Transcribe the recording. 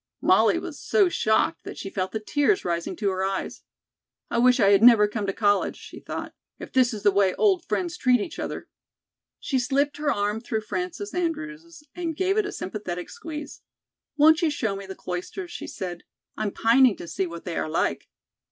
Molly was so shocked that she felt the tears rising to her eyes. "I wish I had never come to college," she thought, "if this is the way old friends treat each other." She slipped her arm through Frances Andrews' and gave it a sympathetic squeeze. "Won't you show me the Cloisters?" she said. "I'm pining to see what they are like."